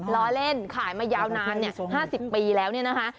ล้อเล่นขายมายาวนาน๕๐ปีแล้วเนี่ยนะคะ